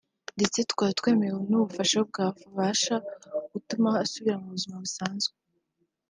ndetse tukaba twemeye n’ubufasha bwabasha gutuma asubira mu buzima busanzwe